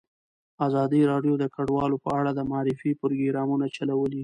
ازادي راډیو د کډوال په اړه د معارفې پروګرامونه چلولي.